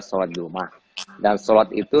solat di rumah dan solat itu